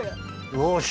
よし！